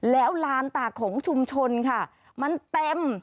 แล้วลานตากของชุมชนค่ะมันเต็ม